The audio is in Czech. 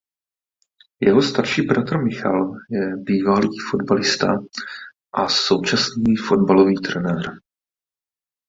Jeho starší bratr Michal je bývalý fotbalista a současný fotbalový trenér.